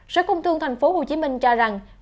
sở công thương thành phố hồ chí minh cho rằng